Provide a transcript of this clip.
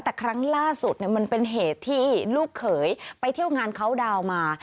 แต่ครั้งล่าสุดมันเป็นเหตุที่ลูกเขยไปเที่ยวงานเขาดาวน์มา